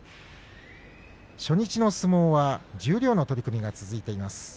初日の相撲は十両の取組が続いています。